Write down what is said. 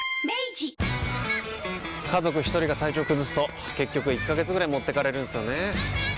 家族一人が体調崩すと結局１ヶ月ぐらい持ってかれるんすよねー。